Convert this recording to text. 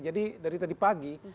jadi dari tadi pagi